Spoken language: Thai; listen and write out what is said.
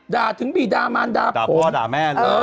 ด่าถึงบีดามันด่าผม